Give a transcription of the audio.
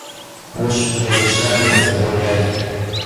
Уж приезжали поздравлять.